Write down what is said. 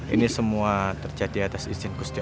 ini semua terjadi atas izin kusti'um